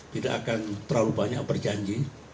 tidak akan terlalu banyak berjanji